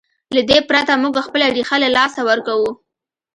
له دې پرته موږ خپله ریښه له لاسه ورکوو.